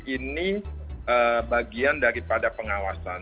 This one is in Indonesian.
ini bagian daripada pengawasan